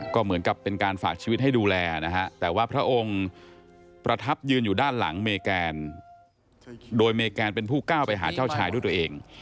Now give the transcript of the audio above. ก็เหมือนกับเป็นการฝากชีวิตให้ดูแลนะฮะแต่ว่าพระองค์ประทับยืนอยู่ด้านหลังเมแกนโดยเมแกนเป็นผู้ก้าวไปหาเจ้าชายด้วยตัวเอง